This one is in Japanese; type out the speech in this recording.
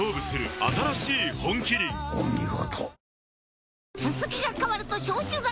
お見事。